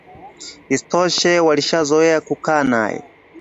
Isitoshe walishazoea kukaa naye